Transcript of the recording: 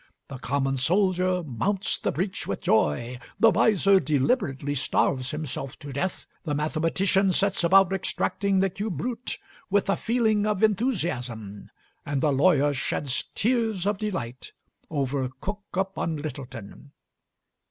The common soldier mounts the breach with joy, the miser deliberately starves himself to death, the mathematician sets about extracting the cube root with a feeling of enthusiasm, and the lawyer sheds tears of delight over 'Coke upon Lyttleton.'